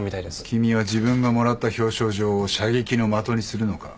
君は自分がもらった表彰状を射撃の的にするのか？